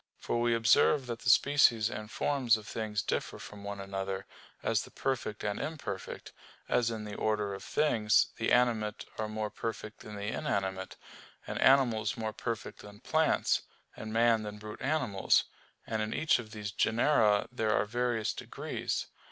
For we observe that the species and forms of things differ from one another, as the perfect and imperfect; as in the order of things, the animate are more perfect than the inanimate, and animals more perfect than plants, and man than brute animals; and in each of these genera there are various degrees.